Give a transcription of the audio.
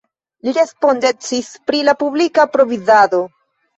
Li respondecis pri la publika provizado.